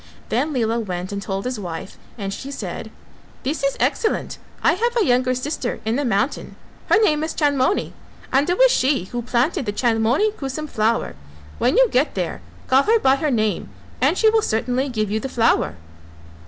Then Lela went and told his wife and she said, "This is excellent: I have a younger sister in the mountain, her name is Chandmoni and it was she who planted the Chandmoni Kusum flower; when you get there call her by her name and she will certainly give you the flower."